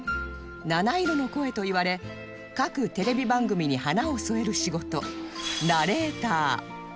七色の声といわれ各テレビ番組に華を添える仕事ナレーター